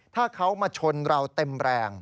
ถ้าเขามาชนเราเต็มแรง